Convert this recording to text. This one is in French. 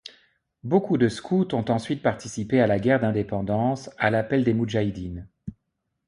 Beaucoup de scouts ont ensuite participé à la guerre d'indépendance, à l'appel des moudjahidine.